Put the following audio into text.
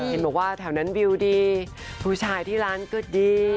เห็นบอกว่าแถวนั้นวิวดีผู้ชายที่ร้านก็ดี